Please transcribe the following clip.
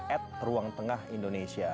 at ruang tengah indonesia